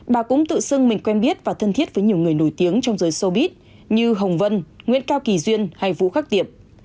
bà cũng tự xưng mình quen biết và thân thiết với nhiều người nổi tiếng trong giới sobit như hồng vân nguyễn cao kỳ duyên hay vũ khắc tiệp